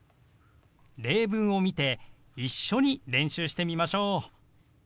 例文を見て一緒に練習してみましょう。